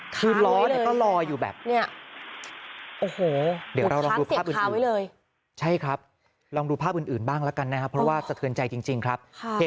คือล้อเนี่ยก็ลอยอยู่แบบ